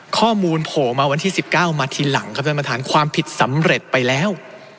โผล่มาวันที่๑๙มาทีหลังครับท่านประธานความผิดสำเร็จไปแล้ว